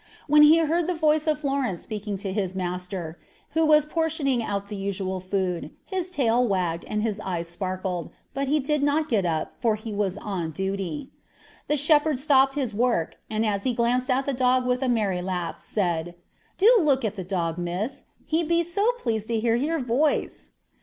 When he heard the voice of Florence speaking to his master, who was portioning out the usual food, his tail wagged and his eyes sparkled, but he did not get up, for he was on duty. The shepherd stopped his work, and as he glanced at the dog with a merry laugh, said, 'Do look at the dog, Miss; he be so pleased to hear your voice.'